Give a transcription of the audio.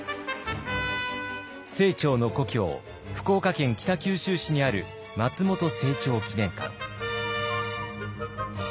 清張の故郷福岡県北九州市にある松本清張記念館。